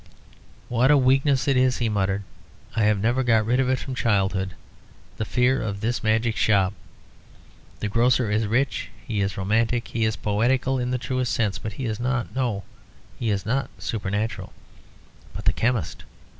"What a weakness it is!" he muttered. "I have never got rid of it from childhood the fear of this magic shop. The grocer is rich, he is romantic, he is poetical in the truest sense, but he is not no, he is not supernatural. But the chemist!